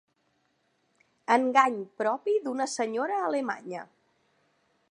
Engany propi d'una senyora alemanya.